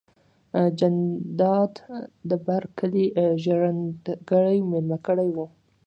جانداد د بر کلي ژرندګړی ميلمه کړی و.